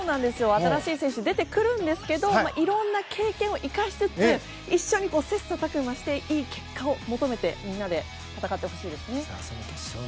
新しい選手が出てくるんですけど経験を生かしつつ一緒に切磋琢磨していい結果を求めてみんなで戦ってほしいですね。